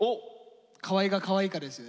「河合がかわいいか」ですよね。